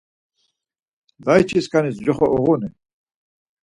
Layç̌iskanis coxo uğuni?